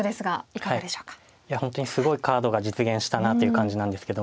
いや本当にすごいカードが実現したなという感じなんですけど。